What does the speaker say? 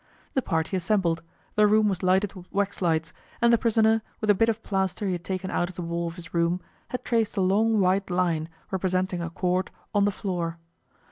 The party assembled, the room was lighted with waxlights, and the prisoner, with a bit of plaster he had taken out of the wall of his room, had traced a long white line, representing a cord, on the floor.